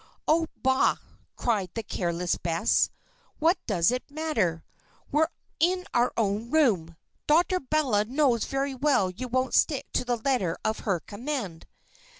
"Oh bah!" cried the careless Bess. "What does it matter? We're in our own room. Dr. Beulah knows very well you won't stick to the very letter of her command."